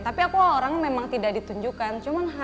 tapi aku orangnya memang tidak ditunjukkan